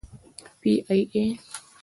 پی ای اې.